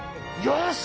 よし！